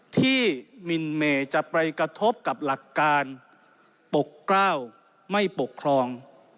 มินเมย์จะไปกระทบกับหลักการปกกล้าวไม่ปกครอง